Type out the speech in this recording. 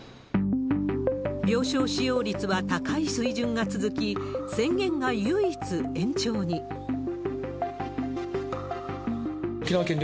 病床使用率は高い水準が続き、宣言が唯一延長に。